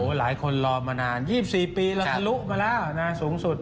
หลายคนรอมานาน๒๔ปีเราทะลุมาแล้วนะสูงสุด